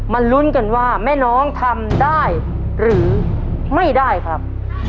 ลุ้นกันว่าแม่น้องทำได้หรือไม่ได้ครับ